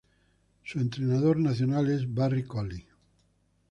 Su entrenador nacional es Barry Collie.